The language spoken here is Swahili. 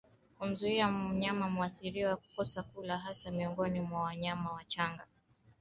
kumzuia mnyama mwathiriwa kukosa kula hasa miongoni mwa wanyama wachanga